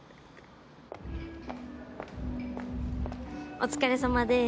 お疲れさまです。